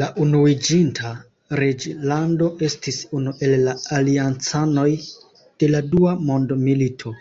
La Unuiĝinta Reĝlando estis unu el la Aliancanoj de la Dua Mondmilito.